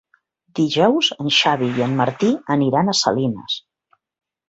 Dijous en Xavi i en Martí aniran a Salines.